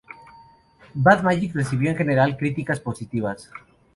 Bad magic recibió en general críticas positivas.